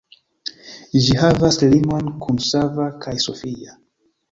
Ĝi havas limon kun Sava kaj Sofia.